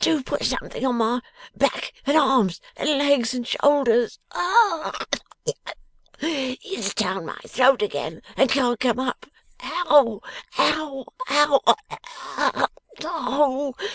Do put something to my back and arms, and legs and shoulders. Ugh! It's down my throat again and can't come up. Ow! Ow! Ow!